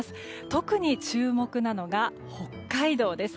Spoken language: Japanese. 特に注目なのが北海道です。